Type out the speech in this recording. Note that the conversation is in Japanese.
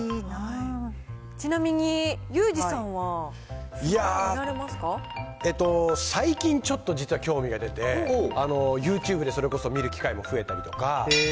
ちなみにユージさんは相撲、いやー、実は最近、ちょっと実は興味が出て、ユーチューブでそれこそ見る機会も増えたりとか。